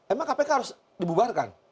emang kpk harus dibubarkan